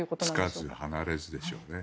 つかず離れずでしょうね。